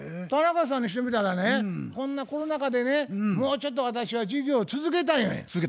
田中さんにしてみたらねこんなコロナ禍でねもうちょっと私は事業を続けたい。